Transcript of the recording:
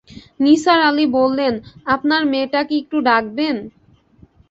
নিসার আলি বললেন, আপনার মেয়েটাকে একটু ডাকবেন?